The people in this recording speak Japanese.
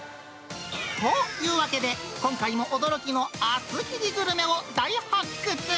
というわけで、今回も驚きの厚切りグルメを大発掘！